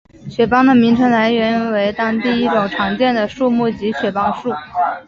雪邦的名称来源为当地一种常见的树木即雪邦树。